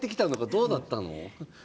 どうなったの？